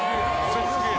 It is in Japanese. すげえ。